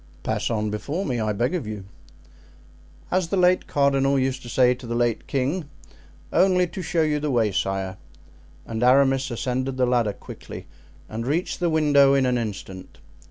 "Pass on before me, I beg of you." "As the late cardinal used to say to the late king, 'only to show you the way, sire.'" And Aramis ascended the ladder quickly and reached the window in an instant.